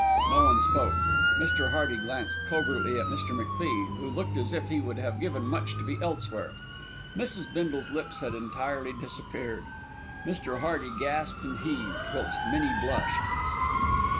No one spoke. Mr. Hearty glanced covertly at Mr. MacFie, who looked as if he would have given much to be elsewhere. Mrs. Bindle's lips had entirely disappeared. Mrs. Hearty gasped and heaved, whilst Minnie blushed.